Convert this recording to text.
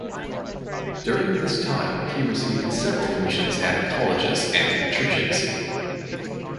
During this time he received several commissions at Colleges and churches.